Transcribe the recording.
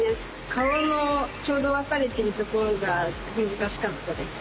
顔のちょうど分かれてるところが難しかったです。